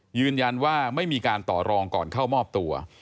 ยืนยันว่าไม่มีการต่อรองก่อนเข้ามอบตัว